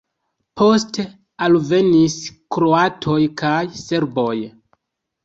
Poste alvenis kroatoj kaj serboj.